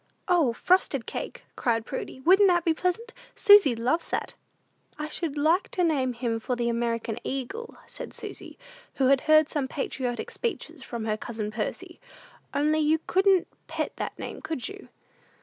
"O, Frosted Cake," cried Prudy: "wouldn't that be pleasant? Susy loves that." "I should like to name him for the American Eagle," said Susy, who had heard some patriotic speeches from her cousin Percy; "only you couldn't pet that name, could you?"